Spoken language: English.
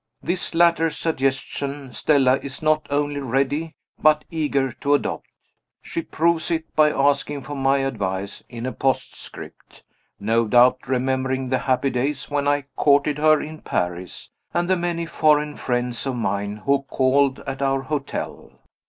This latter suggestion Stella is not only ready, but eager, to adopt. She proves it by asking for my advice, in a postscript; no doubt remembering the happy days when I courted her in Paris, and the many foreign friends of mine who called at our hotel.